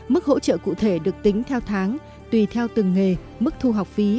mức hỗ trợ cụ thể được tính theo tháng tùy theo từng nghề mức thu học phí